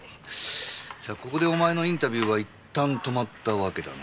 ここでお前のインタビューはいったん止まったわけだな。